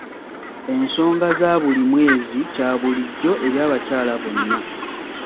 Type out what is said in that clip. Ensonga za buli mwezi kya bulijjo eri abakyala bonna.